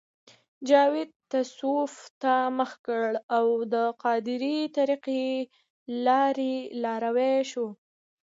جاوید تصوف ته مخه کړه او د قادرې طریقې لاروی شو